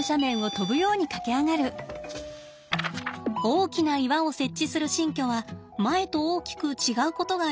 大きな岩を設置する新居は前と大きく違うことがあります。